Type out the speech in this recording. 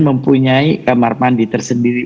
mempunyai kamar mandi tersendiri